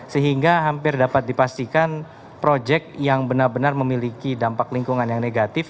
sehingga hampir dapat dipastikan proyek yang benar benar memiliki dampak lingkungan yang negatif